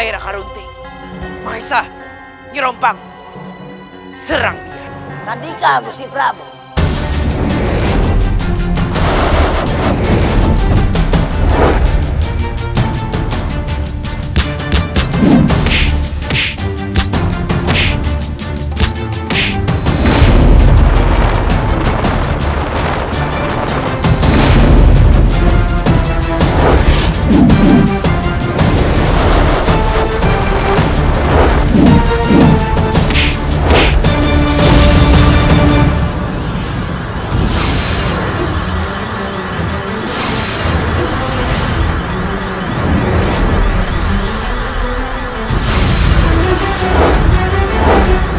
tanda inging dan siapa saja